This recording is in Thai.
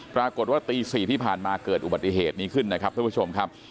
ปรากฏว่าตี๔ที่ผ่านมาเกิดอุบัติเหตุนี้ขึ้นนะครับท่านผู้ชมครับ